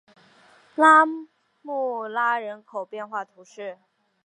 拉穆拉人口变化图示